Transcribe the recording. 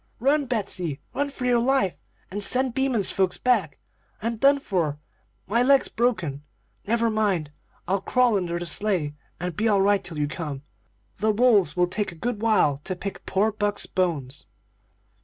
"'Run, Betsey! run for your life, and send Beaman's folks back! I'm done for my leg's broken. Never mind. I'll crawl under the sleigh, and be all right till you come. The wolves will take a good while to pick poor Buck's bones.'